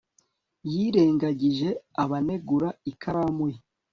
yirengagije abanegura ikaramu ye